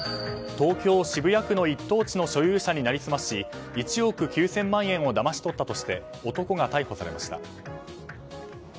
東京・渋谷区の一等地の所有者になりすまし１億９０００万円をだまし取ったとして男が逮捕されました。